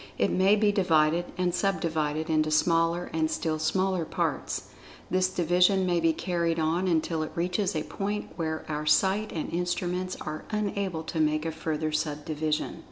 It may be divided, and sub divided, into smaller and still smaller parts. This division may be carried on until it reaches a point where our sight and instruments are unable to make a further sub division.